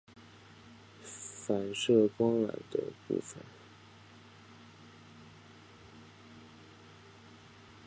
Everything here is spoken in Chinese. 反射光栅的部分。